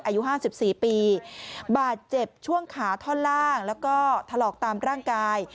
อายุ๕๔ปีบาดเจ็บช่วงขาท่อนล่างแล้วก็ถลอกตามร่างกาย